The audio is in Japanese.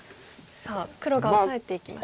さあ黒がオサえていきました。